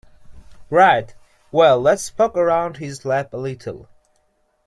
Right, well let's poke around his lab a little.